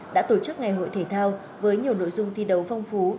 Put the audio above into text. đã tổ chức ngày hội thể thao với nhiều nội dung thi đấu phong phú